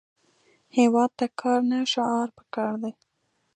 هیواد ته کار، نه شعار پکار دی